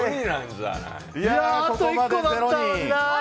あと１個だったのにな。